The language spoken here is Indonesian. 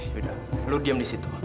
beda lu diam di situ